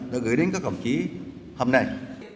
đã gửi đến các khẩu trí hôm nay